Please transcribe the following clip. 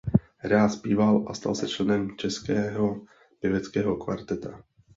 Rád zpíval a stal se členem "Českého pěveckého kvarteta".